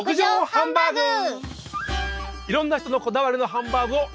いろんな人のこだわりのハンバーグを紹介します。